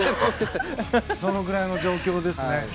そのくらいの状況ですね。